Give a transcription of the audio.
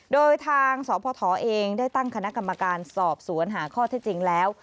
โดยทางสพเองได้ตั้งคณะกรรมการสอบสวนหาข้อเท็จจริงแล้ว